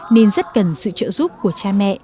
nên rất cần sự trợ giúp của cha mẹ